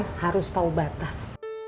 bicara harus tahu batas